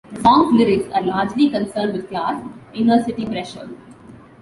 The song's lyrics are largely concerned with class, inner-city pressure.